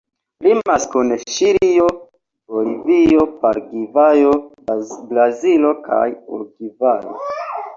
Limas kun Ĉilio, Bolivio, Paragvajo, Brazilo kaj Urugvajo.